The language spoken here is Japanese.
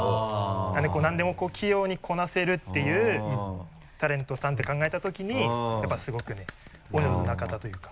なので何でも器用にこなせるっていうタレントさんって考えたときにやっぱすごくねお上手な方というか。